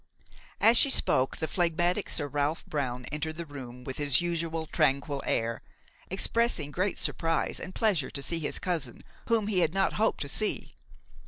As she spoke the phlegmatic Sir Ralph Brown entered the room with his usual tranquil air, expressing great surprise and pleasure to see his cousin, whom he had not hoped to see.